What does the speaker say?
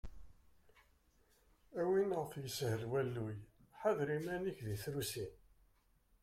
A win ɣef yeshel walluy, ḥader iman-ik di trusi!